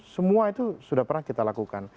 semua itu sudah pernah kita lakukan